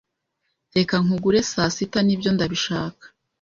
"Reka nkugure saa sita." "Nibyo. Ndabishaka."